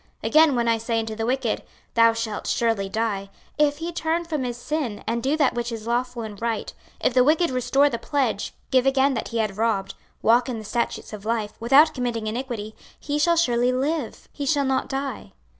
26:033:014 Again, when I say unto the wicked, Thou shalt surely die; if he turn from his sin, and do that which is lawful and right; 26:033:015 If the wicked restore the pledge, give again that he had robbed, walk in the statutes of life, without committing iniquity; he shall surely live, he shall not die.